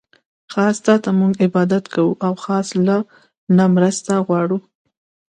خاص تاته مونږ عبادت کوو، او خاص له نه مرسته غواړو